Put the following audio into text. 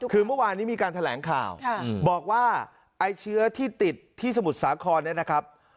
คือเมื่อวานนี้มีการแถลงข่าวบอกว่าไอ้เชื้อที่ติดที่สมุทรสาครเนี่ยนะครับ